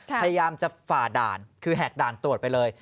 พยายามจะฝ่าด่านคือแหกด่านตรวจไปเลย